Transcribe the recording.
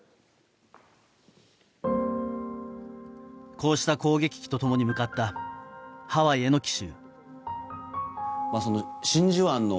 こうした攻撃機と共に向かったハワイへの奇襲。